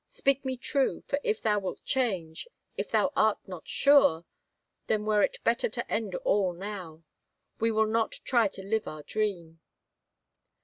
Speak me true, for if thou wilt change, if thou art not sure, then were it better to end all now. ... We will not try to live our dream."